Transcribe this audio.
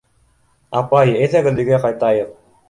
— Апай, әйҙәгеҙ өйгә ҡайтайыҡ.